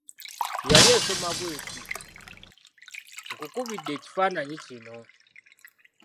Yali esoma bw'eti: nkukubidde ekifananyi kino.